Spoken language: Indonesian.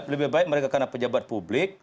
lebih baik mereka karena pejabat publik